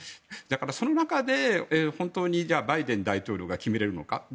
その中で本当にバイデン大統領が決められるのか。